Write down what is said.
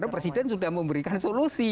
presiden sudah memberikan solusi